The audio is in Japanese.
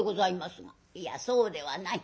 「いやそうではない。